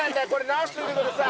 直しといてください。